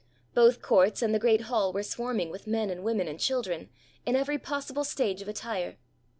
Both courts and the great hall were swarming with men and women and children, in every possible stage of attire.